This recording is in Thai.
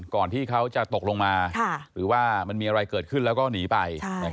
ก่อนที่เขาจะตกลงมาหรือว่ามันมีอะไรเกิดขึ้นแล้วก็หนีไป